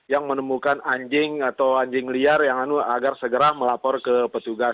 yang menemukan anjing atau anjing liar yang agar segera melapor ke petugas